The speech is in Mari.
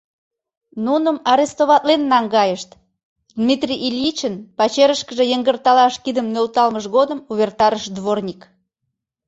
— Нуным арестоватлен наҥгайышт, — Дмитрий Ильичын пачерышкыже йыҥгырталаш кидым нӧлталмыж годым увертарыш дворник.